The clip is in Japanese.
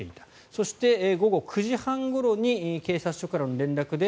そして午後９時半ごろに警察署からの電話で